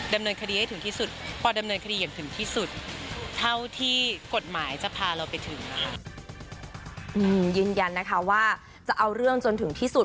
ดำเนินคดีให้ถึงที่สุดพอดำเนินคดีอย่างถึงที่สุด